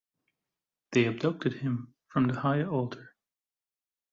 They abducted him from the high altar.